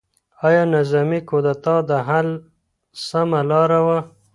ایا نظامي کودتا د حل سمه لاره وه؟